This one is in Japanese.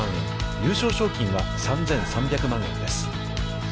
優勝賞金は３３００万円です。